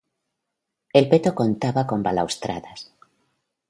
El peto contaba con balaustradas